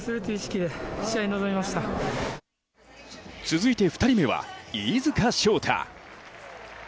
続いて２人目は、飯塚翔太。